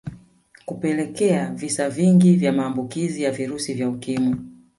Kupelekea visa vingi vya maambukizi ya virusi vya Ukimwi